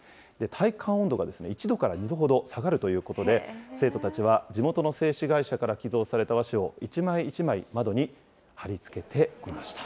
体感温度が１度から２度ほど下がるということで、生徒たちは、地元の製紙会社から寄贈された和紙を一枚一枚窓に貼り付けていました。